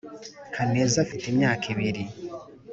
kaneza afite afite imyaka ibiri